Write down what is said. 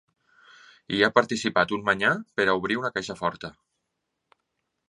Hi ha participat un manyà per a obrir una caixa forta.